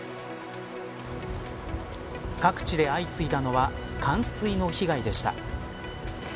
各地で相次いだのは冠水の被害でした。